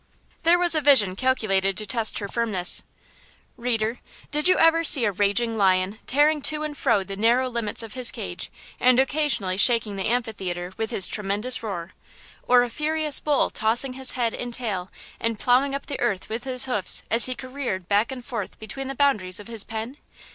There was a vision calculated to test her firmness. Reader, did you ever see a raging lion tearing to and fro the narrow limits of his cage, and occasionally shaking the amphitheatre with his tremendous roar; or a furious bull tossing his head and tail and plowing up the earth with his hoofs as he careered back and forth between the boundaries of his pen?